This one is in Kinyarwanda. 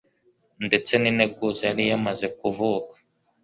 Ndetse n'integuza yari yamaze kuvuka,